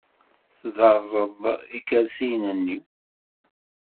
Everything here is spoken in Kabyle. Tderrereḍ ikersiyen-nni.